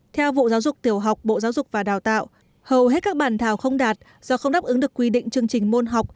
theo vụ giáo dục tiểu học bộ giáo dục và đào tạo hầu hết các bản thảo không đạt do không đáp ứng được quy định chương trình môn học